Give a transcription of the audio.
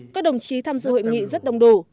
các đồng chí tham dự hội nghị rất đông đủ